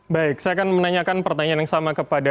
baik saya akan menanyakan pertanyaan yang sama kepada